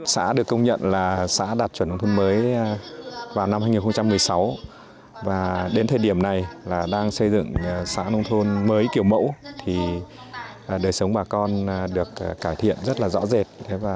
xã được công nhận là xã đạt chuẩn nông thôn mới vào năm hai nghìn một mươi sáu và đến thời điểm này là đang xây dựng xã nông thôn mới kiểu mẫu thì đời sống bà con được cải thiện rất là rõ rệt